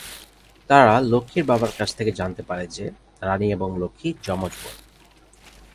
তারা লক্ষ্মীর বাবার কাছ থেকে জানতে পারে যে রানী এবং লক্ষ্মী যমজ বোন।